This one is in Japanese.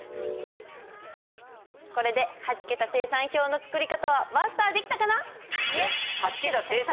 これで８桁精算表の作り方はマスターできたかな？